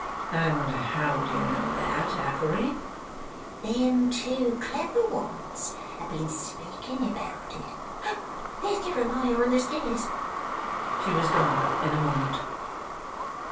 'And how do you know that, Affery?' 'Them two clever ones have been speaking about it. There's Jeremiah on the stairs!' She was gone in a moment.